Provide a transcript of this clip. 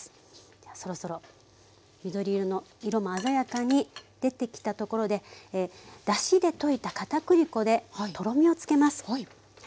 じゃあそろそろ緑色の色も鮮やかに出てきたところでだしで溶いた片栗粉でとろみをつけます。